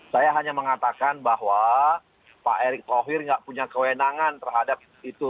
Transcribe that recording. saya hanya mengatakan bahwa pak erick thohir nggak punya kewenangan terhadap itu